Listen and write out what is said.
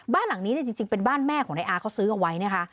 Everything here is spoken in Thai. บ้านหลังนี้เนี่ยจริงเป็นบ้านแม่ของนายอาเขาซื้อเอาไว้นะคะ